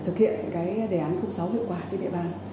thực hiện cái đề án sáu hiệu quả trên địa bàn